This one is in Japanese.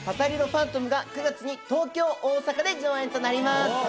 ファントムが９月に東京大阪で上演となります